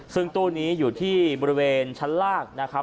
ซึ่งตู้นี้อยู่ที่บริเวณชั้นลาก